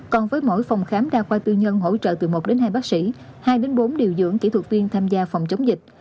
còn với mỗi phòng khám đa khoa tư nhân hỗ trợ từ một đến hai bác sĩ hai bốn điều dưỡng kỹ thuật viên tham gia phòng chống dịch